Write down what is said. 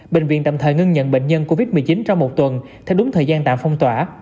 bệnh viện tạm thời ngưng nhận bệnh nhân covid một mươi chín trong một tuần theo đúng thời gian tạm phong tỏa